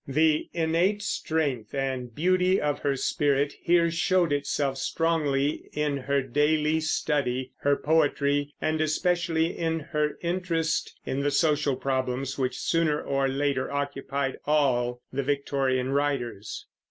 The innate strength and beauty of her spirit here showed itself strongly in her daily study, her poetry, and especially in her interest in the social problems which sooner or later occupied all the Victorian writers.